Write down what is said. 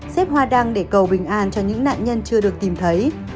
xếp hoa đăng để cầu bình an cho những nạn nhân chưa được tìm thấy